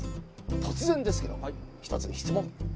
突然ですけど一つ質問。